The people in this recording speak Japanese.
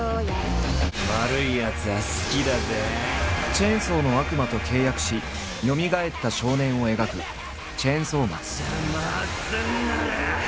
チェンソーの悪魔と契約しよみがえった少年を描く「チェンソーマン」。